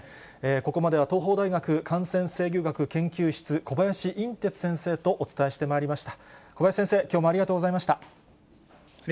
ここまでは東邦大学感染制御学研究室、小林寅てつ先生とお伝えしてまいりました。